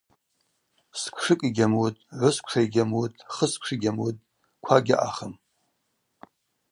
Сквшыкӏ йгьамуытӏ, гӏвысквша йгьамуытӏ, хысквша йгьамуытӏ,— ква гьаъахым.